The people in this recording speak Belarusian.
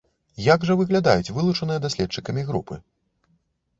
Як жа выглядаюць вылучаныя даследчыкамі групы?